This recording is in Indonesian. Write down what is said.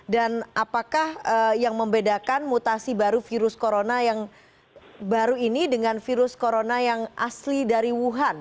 dan apakah yang membedakan mutasi baru virus corona yang baru ini dengan virus corona yang asli dari wuhan